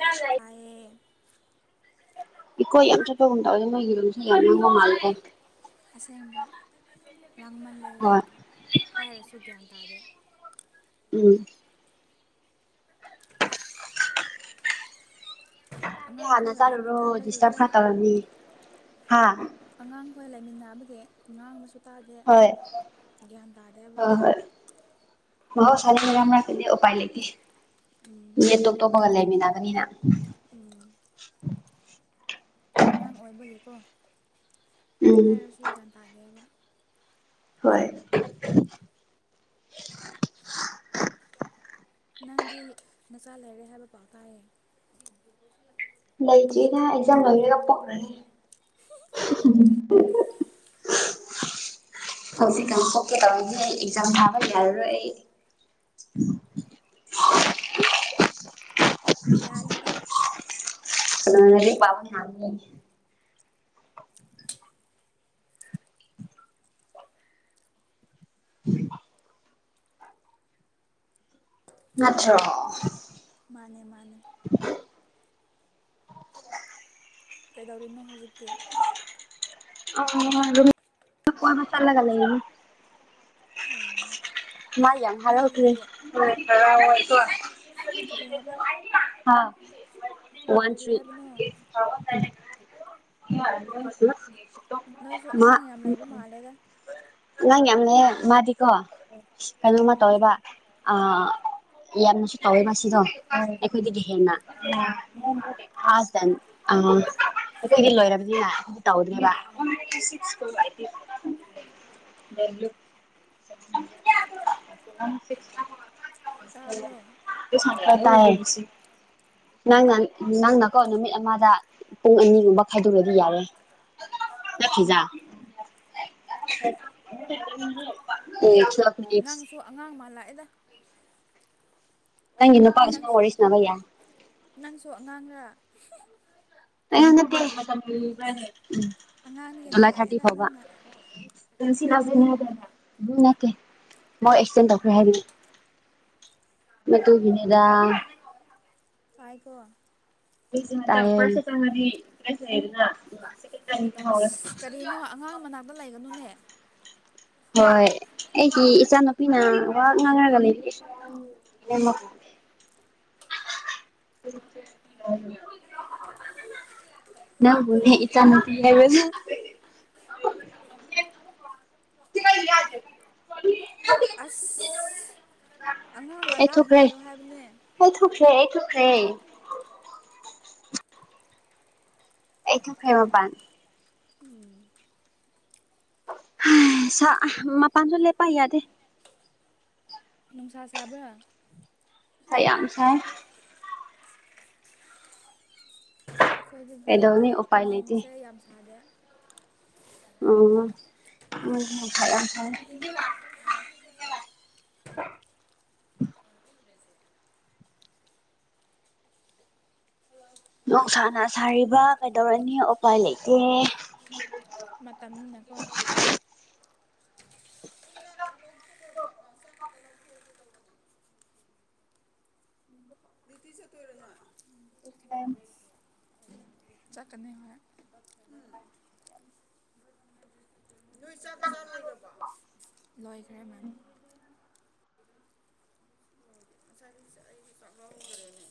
ꯌꯥ ꯂ ꯇꯥꯏꯌꯦ ꯏꯈꯣꯏ ꯌꯥꯝ ꯆꯠꯄꯒꯨꯝ ꯇꯗ ꯅꯣꯏ ꯌꯦꯔꯣꯁꯨ ꯌꯥꯅꯤꯕ ꯃꯥꯜꯂꯀꯦ ꯑꯁꯦꯡꯕ ꯔꯥꯡꯃꯟꯂꯦ ꯍꯣꯏ ꯌꯥꯝꯅ ꯍꯥꯏꯔꯁꯨ ꯒ꯭ꯌꯥꯟ ꯇꯥꯗꯦ ꯎꯝ ꯍꯥꯟꯅ ꯑꯉꯥꯡꯈꯣꯏꯒ ꯆꯥꯂ ꯔꯣ ꯂꯩꯃꯤꯟꯅꯕꯒꯤꯀꯣ ꯗꯤꯁꯇ ꯈ ꯇꯧꯔꯅꯤ ꯍꯥ ꯑꯉꯥꯡꯈꯣꯏ ꯂꯩꯃꯤꯟꯅꯕꯒꯤ ꯑꯉꯥꯡ ꯑꯃꯁꯁꯨ ꯇꯥꯗꯦ ꯍꯣꯏ ꯒ꯭ꯌꯥꯟ ꯇꯗꯦꯕ ꯑꯍꯧ ꯁꯥꯗꯤꯔꯅꯥꯛꯀꯗꯤ ꯎꯄꯥꯏ ꯂꯩꯇꯦ ꯎꯝ ꯃꯤ ꯇꯣꯞ ꯇꯣꯞꯄꯒ ꯂꯩꯃꯤꯟꯅꯕꯅꯤꯅ ꯎꯝ ꯑꯉꯥꯡ ꯑꯣꯏꯕꯒꯤꯀꯣ ꯎꯝ ꯍꯥꯏꯔꯁꯨ ꯒ꯭ꯌꯥꯟ ꯇꯥꯒꯦꯕ ꯍꯣꯏ ꯅꯪꯗꯤ ꯅꯆꯥ ꯂꯩꯔꯦ ꯍꯥꯏꯕ ꯄꯥꯎ ꯇꯥꯏꯌꯦ ꯂꯩꯇ꯭ꯔꯤꯅꯦ ꯑꯩꯖꯝ ꯂꯣꯏꯔꯒ ꯄꯣꯛꯂꯅꯤ [inaudible] ꯍꯧꯖꯤ ꯀ ꯊꯣꯛꯣꯛꯀꯦ ꯇꯧꯔꯅꯦ ꯑꯩ ꯑꯦꯛꯖꯥꯝ ꯊꯥꯕ ꯌꯥꯔꯔꯣꯏ ꯑꯩ ꯎꯝ ꯎꯝ ꯌꯥꯅꯤꯗ ꯑ ꯄꯥꯕꯅꯤ ꯌꯥꯅꯤꯦ ꯅꯠꯇ꯭ꯔꯣ ꯃꯥꯅꯦ ꯃꯥꯅꯦ ꯀꯩꯗꯧꯔꯤꯅꯣ ꯍꯧꯖꯤꯛꯇꯤ ꯑ ꯑꯗꯨ ꯀꯣꯏ ꯃꯁꯥ ꯂꯒ ꯂꯩ ꯑꯣ ꯃꯥꯥꯏ ꯌꯥ ꯍꯂꯣ ꯅꯣꯏꯒꯤ ꯍꯧꯈꯔꯤ ꯀꯔꯤꯔꯤ ꯍꯥꯏꯕ ꯋꯥꯟ ꯀꯔꯤ ꯊ꯭ꯔꯤ ꯍꯥꯏꯕꯅꯣ ꯅꯣꯏꯁꯨ ꯃꯥ ꯑꯉꯥꯡ ꯌꯥꯝ ꯂꯩꯕ ꯃꯥꯜꯂꯦꯒ ꯅꯪ ꯌꯥꯝ ꯂꯩ ꯃꯥꯗꯤꯀꯣ ꯀꯩꯅꯣꯃ ꯎꯝ ꯇꯧꯋꯦꯕ ꯌꯥꯝꯅꯁꯨ ꯇꯧꯋꯦ ꯃꯥꯁꯤꯗꯣ ꯑꯩꯈꯣꯏꯗꯒꯤ ꯍꯦꯟꯅ ꯆ ꯑ ꯑꯩꯈꯣꯏꯗꯤ ꯂꯣꯏꯔꯕꯅꯤꯅ ꯇꯧꯗꯕ ꯇꯥꯕ꯭ꯔꯣ ꯨ [inaudible] ꯀ ꯇ ꯍꯥꯏꯁꯤ ꯅꯪꯅ ꯅꯪꯅꯀꯣ ꯅꯨꯃꯤꯠ ꯑꯃꯗ ꯄꯨꯡ ꯑꯅꯤꯒꯨꯝꯕ ꯈꯥꯏꯗꯨꯔꯗꯤ ꯌꯥꯔꯦ [inaudible] ꯈꯤꯖ ꯅꯪꯁꯨ ꯑꯉꯥꯡ ꯃꯥꯜꯂꯥꯛꯑꯦꯗ ꯅꯪꯒꯤ ꯅꯨꯄꯥꯒꯁ ꯑꯣꯏꯔꯤꯁꯅꯕꯩꯌꯥ ꯅꯪꯁꯨꯉꯥꯡꯂꯥ ꯑꯉꯥꯡꯗꯒꯤ ꯖꯂꯥꯏ ꯊꯥꯇꯤ ꯍꯦꯜꯂꯛꯑꯦꯗ ꯐꯕ ꯅꯪꯅ ꯅꯦ ꯑꯦꯛꯗꯦꯟ ꯇꯧꯈ꯭ꯔꯦ ꯍꯥꯏꯔꯤ ꯃ ꯇꯨ ꯅꯦꯗ ꯑꯩꯀꯣ [inaudible] ꯑꯁ ꯀꯔꯤꯅꯣ ꯑꯉꯥꯡ ꯃꯅꯥꯛꯇ ꯂꯩꯒꯅꯨꯅꯦ ꯍꯣꯏ ꯑꯩꯒꯤ ꯏꯆꯥꯅꯨꯄꯤꯅ ꯋꯥ ꯉꯥꯡꯅꯔꯒꯅꯤ ꯍꯃ ꯆ ꯌꯥ ꯅꯣꯅꯦ ꯏꯆꯥ ꯅ ꯍꯥꯏꯁ ꯑꯁ ꯑꯉꯥꯡꯒ ꯂꯥꯞꯅ ꯑꯩꯊꯈ꯭ꯔꯦ ꯑꯩ ꯂꯩꯌꯣ ꯍꯥꯏꯕꯅꯦ ꯊꯈ꯭ꯔꯦ ꯑꯩꯊꯈ꯭ꯔꯦ ꯑꯩꯊ ꯐꯦꯃꯄꯥꯟ ꯎꯝ ꯄꯁꯨꯂꯦꯄꯥꯏ ꯌꯥꯗꯦ ꯅꯨꯡꯁꯥ ꯁꯥꯕ꯭ꯔꯥ ꯀ ꯌꯥꯝꯁꯥꯏ ꯑꯩꯈꯣꯏꯗꯗꯤ ꯀꯩꯗꯧꯅꯤ ꯎꯄꯥꯏ ꯂꯩꯇꯦ ꯅꯣꯡꯁꯦ ꯌꯥꯝ ꯁꯥꯗꯦ ꯎ ꯎ [inaudible] ꯅꯨꯡꯁꯥꯅ ꯁꯥꯔꯤꯕ ꯀꯩꯗꯧꯔꯅꯤ ꯎꯄꯥꯏ ꯂꯩꯇꯦ ꯃꯇꯝꯅꯤꯅꯀꯣ ꯇ ꯆ ꯇꯔꯅ ꯏꯁꯂꯥꯏꯝ ꯆꯀꯅꯤ ꯍꯥꯏ ꯂꯣꯏꯈꯦ ꯑꯩꯗꯔꯅꯤ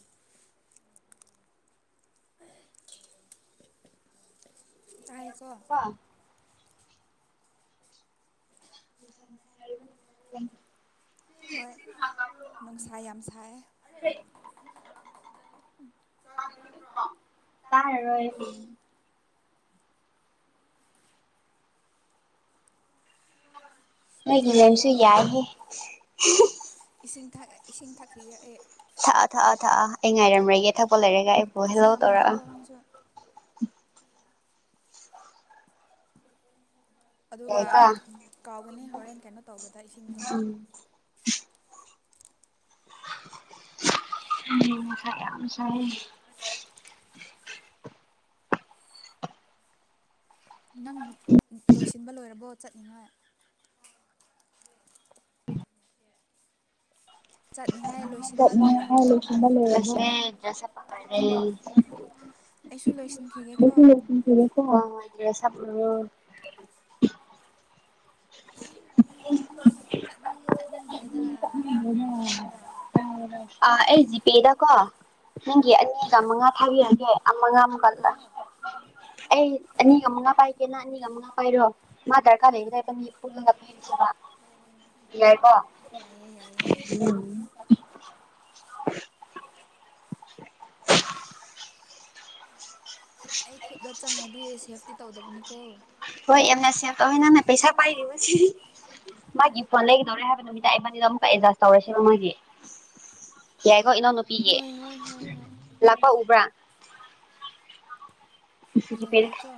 ꯆꯀ ꯀꯣ [inaudible] ꯍꯣꯏ ꯅꯨꯡꯁꯥ ꯌꯥꯝ ꯁꯥꯏꯦ ꯇꯥꯏꯔ ꯃꯣꯏꯒꯤ ꯇꯥꯏꯀꯣ ꯂꯁꯨ ꯌꯥꯏꯌꯦ ꯏꯁꯤꯡ ꯊꯑ ꯏꯁꯤꯡ ꯊꯛꯂꯤꯔꯛꯑꯦ ꯊꯥꯛꯑ ꯊꯥꯛꯑ ꯊꯥꯛꯑ ꯑꯩ ꯉꯥꯏꯔꯝꯃꯒꯦ ꯊꯛꯄ ꯂꯩꯔꯦꯒ ꯑꯩꯕꯨ ꯏꯁꯤꯡ ꯍꯦꯜꯂꯣ ꯌꯥꯝ ꯇꯧꯔꯛ ꯊꯛꯑꯣꯀꯣ ꯅꯪꯁꯨ ꯑꯗꯨꯒ ꯌꯥꯏꯀꯣ ꯀꯥꯎꯒꯅꯤ ꯍꯣꯔꯦꯟ ꯀꯩꯅꯣ ꯇꯧꯕꯗ ꯏꯁꯤꯡꯗ ꯎꯝꯁ ꯌꯥꯝꯁ ꯅꯪ ꯂꯣꯏꯁꯤꯟꯕ ꯂꯣꯏꯔꯕꯣ ꯆꯠꯂꯤꯉꯥꯏ ꯆꯠꯅꯤꯡꯉꯥꯏ ꯂꯣꯏꯁꯤꯟꯕ ꯂꯣꯏꯔꯕꯣ ꯂꯁꯦꯁ ꯄꯦ ꯑꯩꯁꯨ ꯂꯣꯏꯁꯤꯟꯈꯤꯒꯦꯀꯣ ꯍꯦ ꯁ [unintelligible] ꯆꯠꯂꯤ ꯆꯠꯅꯤꯡꯗ꯭ꯔꯦꯗ ꯋꯥꯔꯦꯗ ꯑꯥ ꯑꯦꯜꯖꯤꯄꯦꯗ ꯀꯣ ꯅꯪꯒꯤ ꯑꯅꯤ ꯆ ꯃꯉꯥ ꯊꯥꯕꯤꯑꯒꯦ ꯃꯉꯥꯃꯨꯛ ꯀꯜꯗ ꯀꯔꯤꯒꯤꯅꯣ ꯑꯩ ꯑꯅꯤꯒ ꯃꯉꯥ ꯄꯥꯏꯒꯦꯅ ꯑꯅꯤꯒ ꯃꯉꯥ ꯄꯥꯏꯔꯣ ꯃꯥ ꯑꯙꯥꯔ ꯀꯥꯔꯗ ꯂꯩꯒ ꯂꯩ ꯄꯨ ꯐ ꯆ ꯏꯥꯏꯀꯣꯝ ꯌꯥꯏꯌꯦ ꯌꯥꯏꯌꯦ [unintelligible] ꯑꯩ ꯈꯨꯗ ꯆꯪꯉꯗꯤ ꯁꯦꯐꯇꯤ ꯇꯧꯗꯕꯅꯤꯀꯣ ꯍꯣꯏ ꯑꯅ ꯁꯤ ꯇ ꯅ ꯄꯩꯁꯥ ꯄꯥꯏꯔꯤꯕ ꯃꯥꯒꯤ ꯐꯣꯟ ꯂꯩꯒꯗꯧꯔꯦ ꯍꯥꯏꯕ ꯅꯨꯃꯤꯗꯥꯡ ꯑꯩꯕꯥꯅꯤꯗ ꯑꯃꯨꯛꯀ ꯑꯦꯗꯖꯁ ꯇꯧꯔꯁꯦꯕ ꯃꯥꯒꯤ ꯌꯥꯏꯀꯣ ꯏꯅꯥꯎꯅꯨꯄꯤꯒꯤ ꯍꯣꯏ ꯍꯣꯏ ꯍꯣꯏ ꯍꯣꯏ ꯂꯥꯛꯄ ꯎꯕ꯭ꯔꯥ ꯁꯤ ꯁꯤ ꯄꯦꯔꯗ ꯌꯦꯡꯒꯦꯀꯣ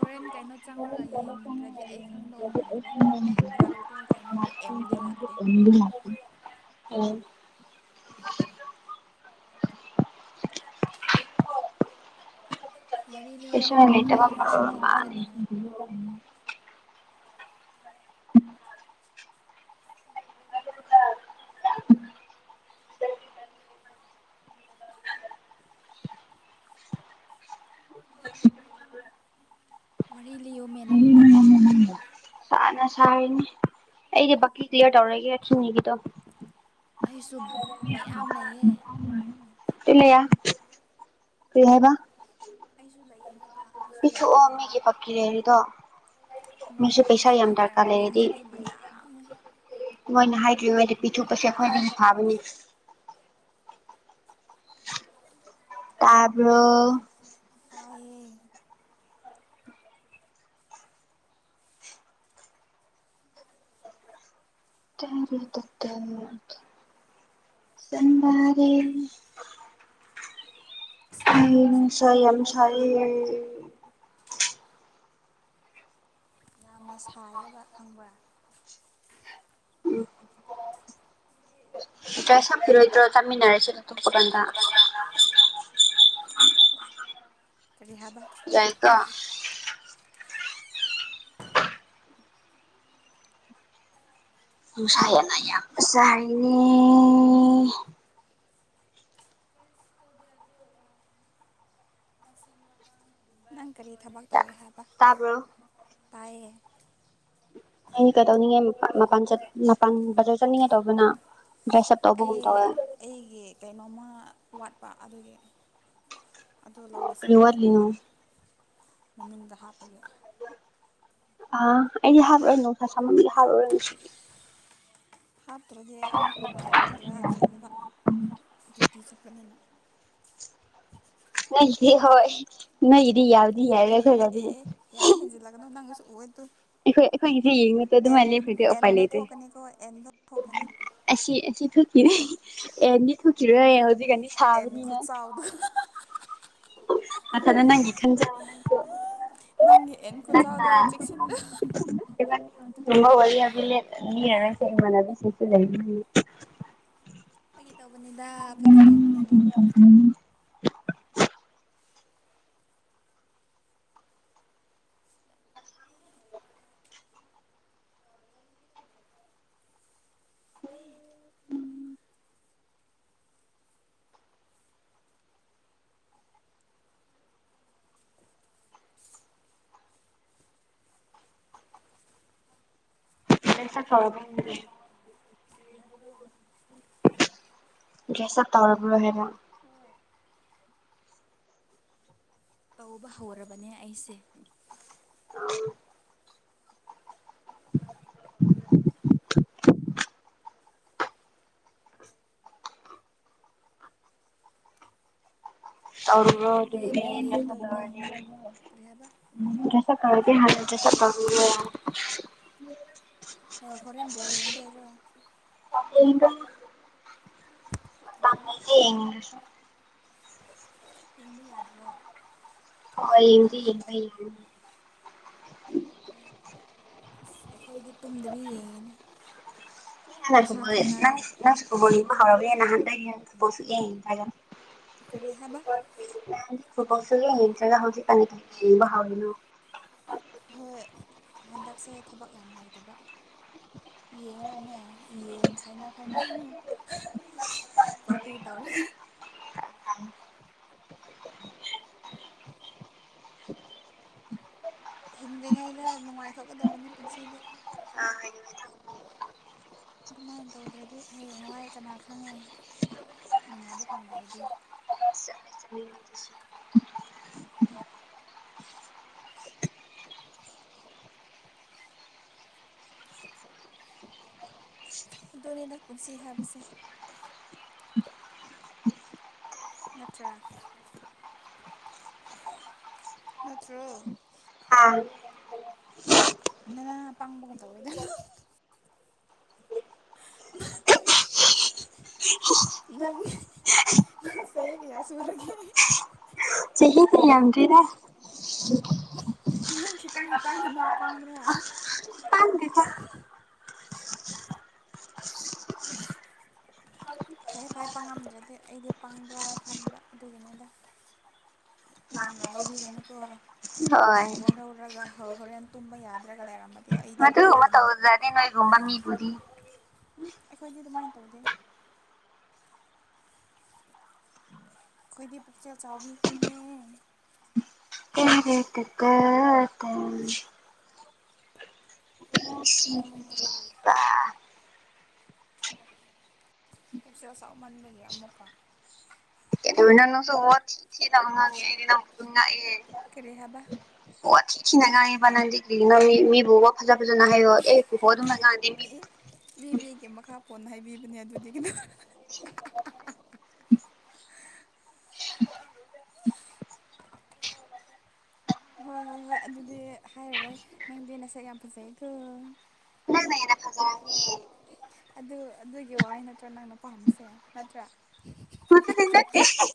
ꯍꯣꯔꯦꯟ ꯀꯩꯅꯣ ꯆꯪꯉꯨꯔꯒ ꯌꯦꯡꯗ꯭ꯔꯗꯤ ꯑꯩ ꯈꯪꯗꯧ ꯃꯥꯟꯗ꯭ꯔꯦ ꯂꯥꯛꯇꯦ ꯀꯩꯅꯣꯗꯤ ꯑ ꯃꯥꯄ ꯑꯣ [unintelligible] ꯋꯥꯔꯤ ꯄꯁ ꯂꯤꯔꯛꯑꯣ ꯅꯪ ꯂꯩꯇꯕ ꯑꯩ ꯂꯣꯏꯁꯤꯟꯈꯤꯒꯦ ꯃꯔꯔꯅꯦ ꯆꯠꯅꯤꯡꯉꯥꯏ ꯎꯝ [unintelligible] ꯋꯥꯔꯤꯔꯤ ꯂꯤꯌꯣ ꯃ ꯅꯪꯕꯣ ꯆꯥꯅ ꯁꯥꯔꯤꯅꯦ ꯑꯩꯗꯤ ꯕꯥꯛꯀꯤ ꯀ꯭ꯂꯤꯌꯥꯔ ꯇꯧꯔꯒꯦꯔꯈꯤꯤꯡꯉꯤꯒꯤꯗꯣ ꯑꯩꯁꯨ ꯃꯌꯥꯝ ꯂꯩꯌꯦ ꯄꯤꯂꯌꯥ ꯄ ꯍꯥꯏꯕ ꯑꯩꯁꯨ ꯂꯏꯦ ꯍꯥ ꯄꯤꯊ ꯑꯣ ꯃꯤꯒꯤ ꯄꯛꯀꯤ ꯂꯩꯦꯔꯤꯗꯣ ꯅꯣꯏꯒꯤꯗꯤ ꯈꯤꯇꯪ ꯑꯣꯏꯔꯝꯒꯅꯤ ꯑꯩꯗꯤ ꯃꯌꯥꯝꯅꯤ ꯗꯤ ꯄꯤꯊꯣꯛ ꯄꯁꯦꯈꯣꯏ ꯐꯕꯅꯤ ꯇꯕꯣ ꯇꯥꯏꯌꯦ ꯇꯔꯤ ꯇꯃꯔꯤꯦ ꯎ ꯁꯥꯕꯁꯤꯅ ꯁ ꯌꯥꯝ ꯃꯔꯣꯜ ꯑꯃ ꯁꯔ ꯌꯥꯝꯅ ꯁꯥꯏꯕ ꯈꯪꯕ꯭ꯔꯥ [unintelligible] ꯇ꯭ꯔ ꯍꯥꯄꯤꯔꯣꯏꯗ꯭ꯔꯣ ꯆꯥꯃꯤꯟꯅꯔꯁꯤ ꯂꯊꯣꯞꯄ ꯀꯥꯟꯗ ꯔꯤꯍꯥꯕ ꯌꯥꯏꯀꯣ [unintelligible] ꯅꯨꯡꯁꯥꯏꯌꯦꯂ ꯌꯥꯝꯕ ꯆꯥꯏꯅꯦ ꯅꯪ ꯀꯔꯤ ꯊꯕꯛ ꯇꯧꯏꯦ ꯍꯥꯏꯕ ꯇꯥꯕ꯭ꯔꯣ ꯇꯌꯦ ꯑꯩ ꯀꯩꯗꯧꯅꯤꯡꯉꯦ ꯃꯄ ꯃꯄꯥꯟ ꯕꯖꯔ ꯆꯠꯅꯤꯡꯉꯦ ꯇꯧꯕꯅ ꯗ꯭ꯔꯦꯁ ꯑꯞ ꯇꯧꯕꯒꯨꯝ ꯑꯩ ꯇꯧꯋꯦ ꯑꯩꯒꯤ ꯀꯩꯅꯣꯝꯃ ꯋꯥꯠꯄ ꯑꯗꯨꯒꯤ ꯑꯗꯨ ꯂꯧꯕ ꯀꯔꯤ ꯆꯠꯄꯅꯤꯗ ꯋꯥꯠꯂꯤꯅꯣ ꯃꯅꯨꯡꯗ ꯍꯥꯞꯄꯒꯦ ꯑ ꯑꯩꯗꯤ ꯍꯥꯞꯔꯨꯔ ꯅꯨꯡꯁꯥ ꯁꯃꯝꯗꯤ ꯍꯥꯞꯔꯨꯔꯁꯤꯗꯤ ꯍꯥꯞꯇ꯭ꯔꯗꯤ ꯑꯃꯨꯛ ꯅꯨꯡꯉꯥꯏꯔꯣꯏꯗ꯭ꯔꯥ ꯈꯟꯕ ꯗ꯭ꯌꯨꯇꯤ ꯆꯠꯄꯅꯤꯅ ꯅꯗꯤ ꯍꯣꯏ ꯅꯗꯤ ꯌꯥꯎꯗꯤ ꯑꯦ ꯌꯥꯏꯔꯦ ꯈꯔꯔꯗꯤ ꯑꯣꯏꯗꯨ ꯑꯩꯈꯣꯏ ꯑꯩꯈꯣꯏꯒꯤꯁꯦ ꯌꯦꯡꯉꯗꯣ ꯑꯗꯨꯃꯥꯏꯅ ꯂꯩꯈꯗꯦ ꯎꯄꯥꯏ ꯑꯦꯟꯗꯣ ꯂꯩꯇꯦ ꯊꯣꯛꯀꯅꯤꯀꯣ ꯑꯦꯟꯗꯣ ꯊꯣꯛꯀꯅꯤ ꯑꯁꯤ ꯑꯁꯤ ꯊꯣꯛꯈꯤꯔ ꯑꯦꯅꯤ ꯊꯣꯛꯈꯤꯔꯣꯏ ꯍꯧꯖꯤ ꯀꯗꯤ ꯑꯦꯟ ꯁꯥꯕꯅꯤꯅ ꯈꯨꯠꯆꯥꯎꯗꯣ ꯃꯊꯥꯗꯅ ꯅꯪꯦ ꯈꯅꯖ ꯅ ꯅꯪꯒꯤ ꯌꯦꯟ ꯀꯆꯗꯣ ꯆꯤꯁꯤꯟꯗ ꯊꯕ ꯋꯥꯔꯤ ꯃꯤ ꯍꯥꯏꯔꯁꯦꯅ ꯑꯗꯨ ꯐꯥꯒꯤ ꯇꯧꯕꯅꯤꯗ ꯐꯒꯤ ꯇꯧꯕꯅꯤꯗ ꯁ ꯦꯁꯥ ꯇꯧꯔꯕꯨ ꯍꯥꯏꯅ ꯇꯧꯕ ꯍꯧꯔꯕꯅꯦ ꯑꯩꯁꯦ [inaudible] ꯍꯣꯔꯦꯟꯗꯤ ꯕꯣꯜ ꯌꯦꯡꯗꯣꯏꯔꯣ ꯀꯔꯤ ꯍꯥꯏꯕ ꯔꯗꯤ ꯍꯥꯏꯔ ꯆꯄ ꯑꯦꯣꯍꯦꯟ ꯣ ꯌꯦꯡꯗꯔꯣ ꯌꯦꯗ ꯀꯩ ꯍ ꯍꯥꯏꯕ ꯌꯦꯡꯕ ꯌꯥꯗ꯭ꯔꯣ ꯍ ꯏꯗꯤ ꯏꯕ ꯑꯁ ꯑꯩꯈꯣꯏꯗꯤ ꯇꯨꯝꯗꯕꯤ ꯌꯦꯡꯉꯤꯅꯦ ꯅꯪ ꯄꯩꯁꯥ ꯊꯥꯅꯔꯒ ꯅꯪꯁꯨ ꯀꯅꯤ ꯍꯔꯕꯨꯅꯍꯥꯟꯗꯣꯁꯨ ꯀꯔꯤ ꯍꯥꯏꯕ [inaudible] ꯁ ꯌꯦꯡꯖꯒ ꯍꯧꯖꯤꯛ ꯀꯅ ꯌꯦꯡꯕ ꯍꯥꯎꯋꯤꯅꯣ ꯍꯣꯏ ꯍꯟꯗꯛꯁꯦ ꯊꯕꯛ ꯌꯥꯝ ꯂꯩꯇꯕ ꯌꯦꯡꯉꯅꯦ ꯌꯦꯟ ꯈꯥꯏꯅ ꯈꯥꯏꯅꯔ ꯄꯇꯤꯒꯤ ꯇꯧꯅ ꯍꯤꯡꯗ꯭ꯔꯤꯉꯩꯗ ꯅꯨꯡꯉꯥꯏꯊꯣꯛꯀꯗꯕꯅꯤ ꯄꯨꯟꯁꯤꯗꯤ ꯑꯗꯨꯃꯥꯏꯅ ꯇꯧꯗ꯭ꯔꯗꯤ ꯍꯌꯦꯡ ꯋꯥꯏ ꯀꯅꯥ ꯈꯪꯉꯦ ꯅꯨꯡꯉꯥꯏꯕ ꯐꯪꯗꯗꯗꯤ ꯑꯗꯨꯅꯤꯅ ꯄꯨꯟꯁꯤ ꯍꯥꯏꯕꯁꯦ ꯅꯠꯇ꯭ꯔ ꯅꯠꯇ꯭ꯔꯣ ꯑ ꯅꯪ ꯄꯥꯡꯕꯒꯨꯝ ꯇꯧꯋꯦꯗꯅꯣ [inaudible] ꯅ ꯀꯌꯥꯁꯨꯕꯔꯦ ꯆꯍꯤꯗꯤ ꯌꯥꯝꯗ꯭ꯔꯤꯗ [inaudible] ꯅꯪ ꯈꯤꯇꯪ ꯈꯤꯇꯪꯗ ꯅꯥ ꯄꯥꯡꯕ꯭ꯔꯥ ꯈꯪꯗꯦꯗ ꯐꯩꯌꯦꯦ ꯐꯩꯦ ꯄꯪꯉꯝꯗ꯭ꯔꯗꯤ ꯑꯩꯗꯤ ꯄꯪꯕ꯭ꯔꯥ ꯈꯟꯕ ꯑꯗꯨꯒꯤꯅꯤꯗ ꯂꯥꯟ ꯂꯧꯕꯤꯒꯅꯨꯀꯣ ꯍꯣꯏ ꯋꯥꯔꯍꯧꯔꯒ ꯍꯣꯔꯦꯟ ꯇꯨꯝꯕ ꯌꯥꯗ꯭ꯔꯒ ꯂꯩꯔꯝꯃꯗꯤ ꯑꯩꯗꯤ ꯃꯗꯨ ꯃ ꯂꯣꯏꯔꯦꯗꯅ ꯍꯧꯖꯗꯦ ꯅꯣ ꯏꯒꯨꯝꯕ ꯃꯤꯕꯨꯗꯤ ꯎꯝ ꯑꯩꯈꯣꯏꯗꯤ ꯑꯗꯨꯃꯥꯏꯅ ꯇꯧꯗꯦ ꯑꯩꯈꯣꯏꯗꯤ ꯄꯨꯛꯆꯦꯜ ꯆꯥꯎꯕꯤ ꯈꯣꯏꯅꯦ ꯑꯦꯔ ꯇ ꯇ ꯇ ꯁꯤꯕ ꯄꯨꯛꯆꯦꯜ ꯆꯥꯎ ꯃꯟꯕꯒꯤ ꯑꯃꯨꯛꯀ ꯑꯦꯅꯣ ꯁꯣ ꯊꯤꯁꯤ ꯀꯔꯤ ꯍꯥꯏꯕ ꯍ ꯊꯤꯈꯤꯅꯉꯥꯏꯑꯦꯕꯅꯥꯗꯤ ꯀꯔꯤꯅ ꯃꯤ ꯐꯖ ꯖꯅ ꯍꯦꯠ ꯃꯖꯥ ꯑꯗ ꯃꯤ ꯐꯣꯟ ꯍꯥꯏꯕꯤꯕꯅꯦ ꯑꯗꯨꯗꯤ ꯀꯩꯅꯣ [unintelligible] [inaudible] [unintelligible] [inaudible] ꯍꯣꯏ ꯍꯣꯏ ꯍꯣꯏ ꯑꯗꯨꯗꯤ ꯍꯥꯏꯔꯔꯣꯏ ꯅꯪꯗꯤ ꯅꯁꯛ ꯌꯥꯝ ꯐꯖꯩꯀꯣ ꯍꯖꯔꯅꯤ ꯑꯗꯨ ꯑꯗꯨꯒꯤ ꯋꯥꯍꯩ ꯅꯠꯇ꯭ꯔꯥ ꯅꯪꯅ ꯄꯥꯝꯃꯤꯁꯦ ꯅꯠꯇ꯭ꯔꯥ ꯀꯗꯦ [unintelligible] [inaudible]